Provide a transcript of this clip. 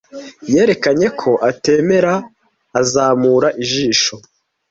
Yerekanye ko atemera azamura ijisho.